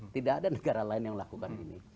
tidak ada negara lain yang melakukan ini